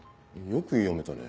よく読めたね。